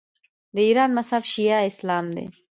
د ایران مذهب شیعه اسلام دی.